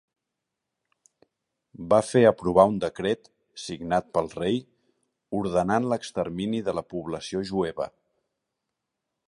Va fer aprovar un decret, signat pel rei, ordenant l'extermini de la població jueva.